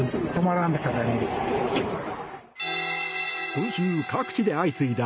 今週、各地で相次いだ